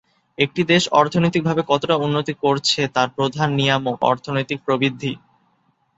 একটি দেশ অর্থনৈতিক ভাবে কতটা উন্নতি করছে তার প্রধান নিয়ামক অর্থনৈতিক প্রবৃদ্ধি।